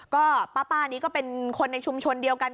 ก็ป้านี้ก็เป็นคนในชุมชนเดียวกัน